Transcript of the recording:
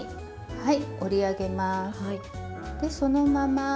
はい。